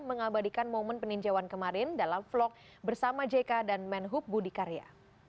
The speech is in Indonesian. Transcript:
mengabadikan momen peninjauan kemarin dalam vlog bersama jk dan menhub budi karya